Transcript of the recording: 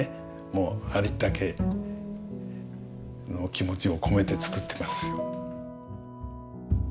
もうありったけの気持ちを込めて作ってます。